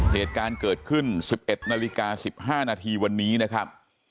เหตุการณ์เกิดขึ้น๑๑นาฬิกา๑๕นาทีวันนี้นะครับ